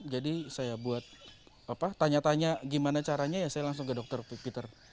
jadi saya buat apa tanya tanya gimana caranya ya saya langsung ke dr peter